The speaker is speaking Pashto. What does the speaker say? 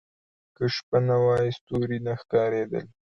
• که شپه نه وای، ستوري نه ښکاره کېدل.